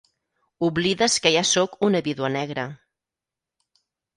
Oblides que ja soc una vídua negra.